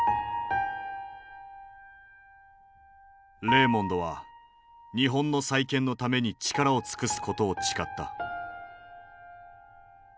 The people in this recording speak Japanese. レーモンドは日本の再建のために力を尽くすことを誓った。